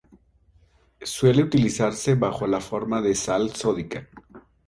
Suele utilizarse bajo la forma de sal sódica.